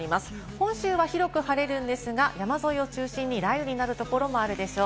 本州は広く晴れるんですが、山沿いを中心に雷雨になるところもあるでしょう。